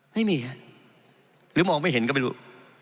ไม่มีครับหรือมองไม่เห็นก็ไม่รู้